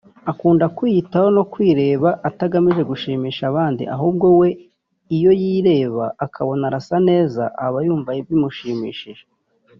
Akunda kwiyitaho no kwireba atagamije gushimisha abandi ahubwo we iyo yirebye akabona arasa neza aba yumva bimushimishije